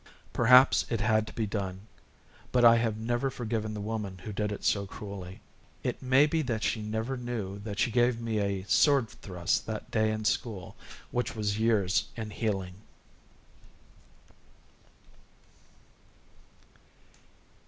Perhaps it had to be done, but I have never forgiven the woman who did it so cruelly. It may be that she never knew that she gave me a sword thrust that day in school which was years in healing.